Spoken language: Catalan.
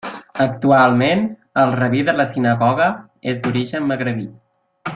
Actualment, el rabí de la sinagoga és d'origen magrebí.